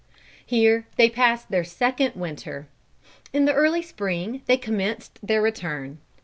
Here they passed their second winter. In the early spring they commenced their return.